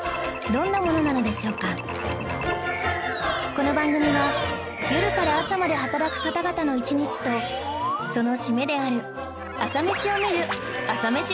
この番組は夜から朝まで働く方々の一日とその締めである朝メシを見る朝メシバラエティーなのです